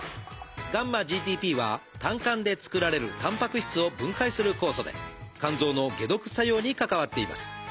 γ−ＧＴＰは胆管で作られるたんぱく質を分解する酵素で肝臓の解毒作用に関わっています。